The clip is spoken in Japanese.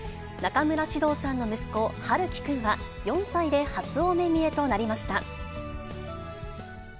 中村獅童さんの息子、陽喜くんは４歳で初お目見えとなりました。